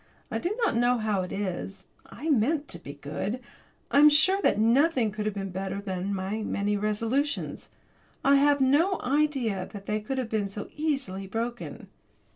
I do not know how it is, I meant to be good; I am sure that nothing could have been better than my resolutions. I had no idea that they could have been so easily broken.